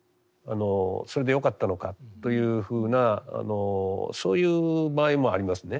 それでよかったのかというふうなそういう場合もありますね。